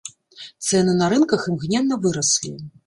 Цэны на рынках імгненна выраслі.